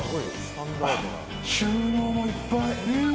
収納もいっぱい。